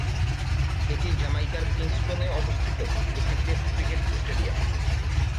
এটি জ্যামাইকার কিংস্টনে অবস্থিত একটি টেস্ট ক্রিকেট স্টেডিয়াম।